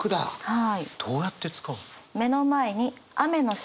はい。